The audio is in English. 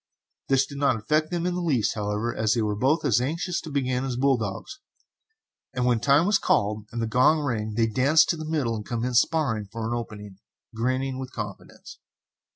This did not affect them in the least, however, as they were both as anxious to begin as bull dogs, and when time was called and the gong rang, they danced to the middle and commenced sparring for an opening, grinning with confidence.